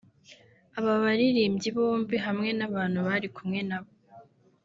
Aba baririmbyi bombi hamwe n’abantu bari kumwe nabo